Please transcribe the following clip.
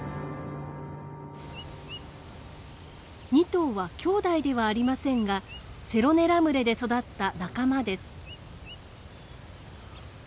２頭は兄弟ではありませんがセロネラ群れで育った仲間です。